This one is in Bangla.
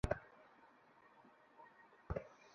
দেখো মা, অনেকটা ফেসপ্যাক লাগিয়েছি।